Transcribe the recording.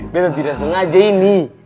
beto tidak sengaja ini